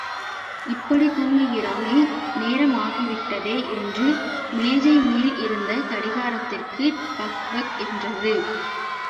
இப்படித் தூங்குகிறானே, நேரம் ஆகிவிட்டதே என்று மேஜை மேல் இருந்த கடிகாரத்திற்கு பக் பக் என்றது.